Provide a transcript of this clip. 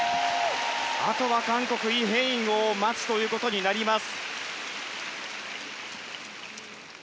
あとは韓国、イ・ヘインを待つことになります。